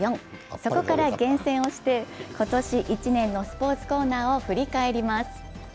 そこから厳選をして、今年１年のスポーツコーナーを振り返ります。